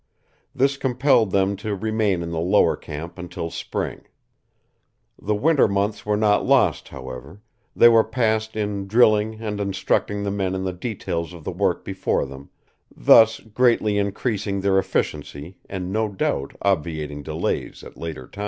This compelled them to remain in the lower camp until spring. The winter months were not lost, however; they were passed in drilling and instructing the men in the details of the work before them, thus greatly increasing their efficiency and no doubt obviating delays at later times.